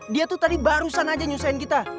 dia tuh tadi barusan aja nyusahin kita